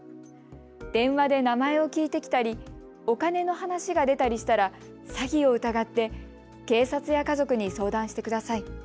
電話で名前を聞いてきたり、お金の話が出たりしたら詐欺を疑って警察や家族に相談してください。